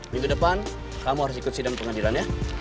minggu depan kamu harus ikut sidang pengadilan ya